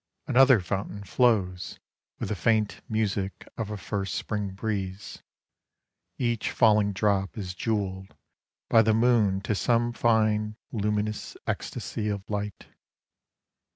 Another fountain flows With the faint music of a first spring breeze ; Each falling drop is jewelled by the moon To some fine luminous ecstasy of light.